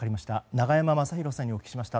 永山政広さんにお伺いしました。